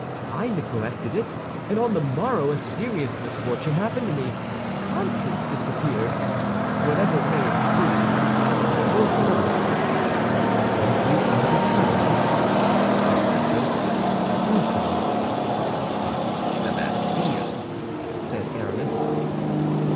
I neglected it, and on the morrow a serious misfortune happened to me—Constance disappeared. Whatever may ensue, I will go." "If you are determined," said Athos, "do so." "But the Bastille?" said Aramis.